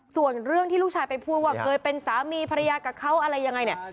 ส่วนเรื่องที่ลูกชายไปพูดว่าเคยเป็นสามีภรรยากับเขาอะไรยังไงเนี่ย